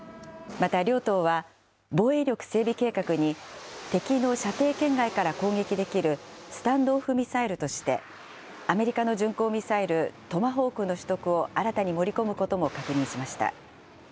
また、両党は防衛力整備計画に、敵の射程圏外から攻撃できるスタンド・オフ・ミサイルとして、アメリカの巡航ミサイル、トマホークの取得を新たに盛り込むことも確認しました。